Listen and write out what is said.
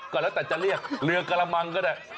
ก็แล้วแต่จะเรียกเรือกระมังก็ได้